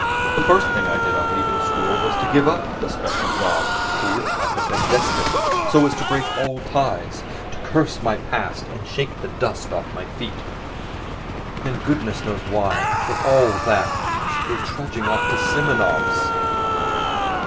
The first thing I did on leaving school was to give up the special job for which I had been destined so as to break all ties, to curse my past and shake the dust from off my feet.... And goodness knows why, after all that, I should go trudging off to Simonov's!